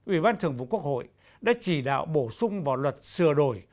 ủy ban thường vụ quốc hội đã chỉ đạo bổ sung vào luật sửa đổi